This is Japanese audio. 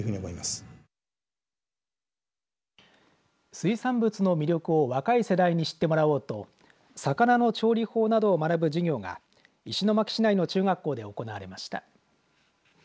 水産物の魅力を若い世代に知ってもらおうと魚の調理法などを学ぶ授業が石巻市内の中学校で行われました。